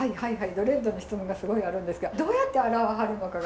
ドレッドの質問がすごいあるんですがどうやって洗わはるのかがすごい。